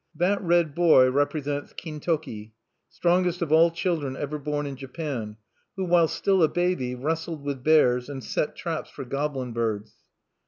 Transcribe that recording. That red boy represents Kintoki, strongest of all children ever born in Japan, who, while still a baby, wrestled with bears and set traps for goblin birds.